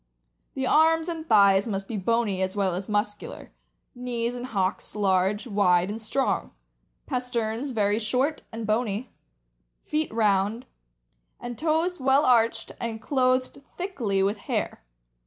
The arms and thighs must be bony as well as muscular; knees and hocks large, wide, and strong; pasterns very short and bony; feet round, and toes well arched and clothed thickly with hair.